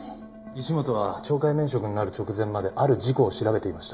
石本は懲戒免職になる直前まである事故を調べていました。